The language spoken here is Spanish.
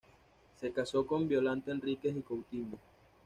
Se casó con Violante Henriques y Coutinho.